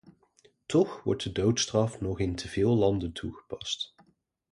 Toch wordt de doodstraf nog in teveel landen toegepast.